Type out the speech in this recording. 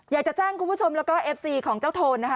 อยากจะแจ้งคุณผู้ชมแล้วก็เอฟซีของเจ้าโทนนะคะ